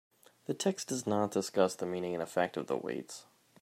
The text does not discuss the meaning and effect of the weights.